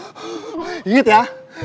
situasinya serem banget